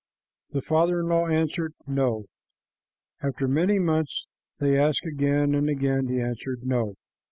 The father in law answered, "No." After many months they asked again, and again he answered, "No."